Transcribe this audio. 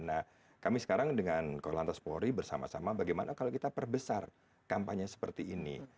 nah kami sekarang dengan korlantas polri bersama sama bagaimana kalau kita perbesar kampanye seperti ini